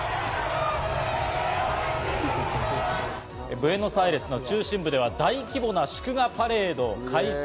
ブエノスアイレスの中心部では大規模な祝賀パレードを開催。